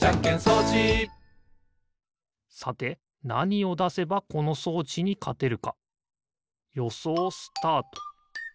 さてなにをだせばこの装置にかてるかよそうスタート！